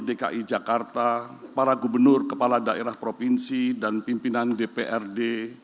dki jakarta para gubernur kepala daerah provinsi dan pimpinan dprd